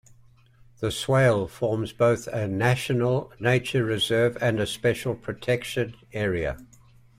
The Swale forms both a National Nature Reserve and a Special Protection Area.